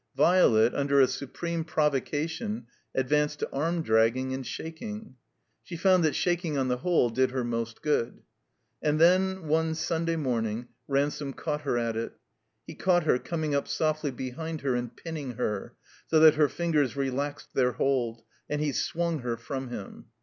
Violet, under a supreme provocation, advanced to arm dragging and shaking. She f otmd that shaking on the whole did her most good. And then, one Simday morning, Ransome caught her at it. He caught her, coming up softly behind her and pinning her, so that her fingers relaxed their hold, and he swung her from him.